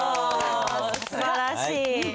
すばらしい。